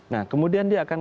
nah kemudian dia akan